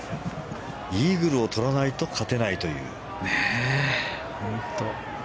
イーグルを取らないと勝てないという。